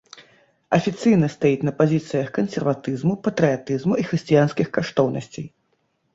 Афіцыйна стаіць на пазіцыях кансерватызму, патрыятызму і хрысціянскіх каштоўнасцей.